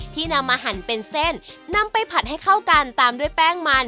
นำมาหั่นเป็นเส้นนำไปผัดให้เข้ากันตามด้วยแป้งมัน